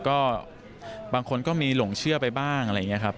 ก็บางคนก็มีหลงเชื่อไปบ้างอะไรอย่างนี้ครับ